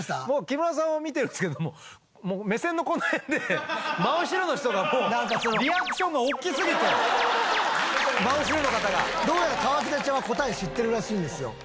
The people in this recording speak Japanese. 木村さんを見てるんですけども目線のこの辺で真後ろの人がもうリアクションが大きすぎて真後ろの方が。どうやら河北ちゃんは答え知ってるらしいんですよ。